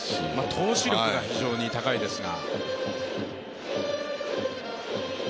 投手力が非常に高いですが。